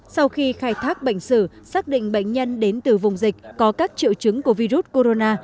sau khi khai thác bệnh sử xác định bệnh nhân đến từ vùng dịch có các triệu chứng của virus corona